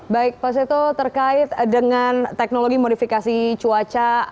baik pak seto terkait dengan teknologi modifikasi cuaca